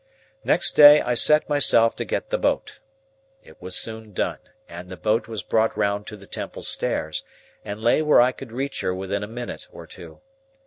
Next day I set myself to get the boat. It was soon done, and the boat was brought round to the Temple stairs, and lay where I could reach her within a minute or two.